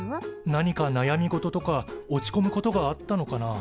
なにかなやみ事とか落ちこむことがあったのかなあ？